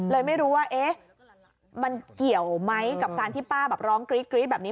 เลยไม่รู้ว่าเอ๊ะมันเกี่ยวไหมกับการที่ป้าแบบร้องกรี๊ดแบบนี้